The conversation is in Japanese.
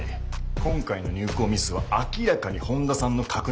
今回の入稿ミスは明らかに本田さんの確認